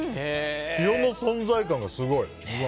塩の存在感がすごい！